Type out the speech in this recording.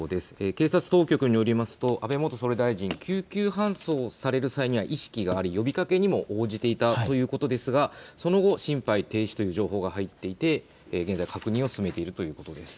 警察当局によりますと安倍元総理大臣、救急搬送される際には意識があり、呼びかけにも応じていたということですがその後、心肺停止といういう情報が入っていて現在、確認を進めているということです。